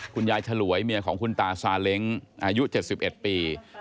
ฉลวยเมียของคุณตาซาเล้งอายุ๗๑ปี